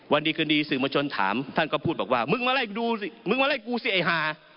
วันดีคืนดีสื่อมชนถามท่านก็พูดว่ามึงมาไล่กูสิไอ้หา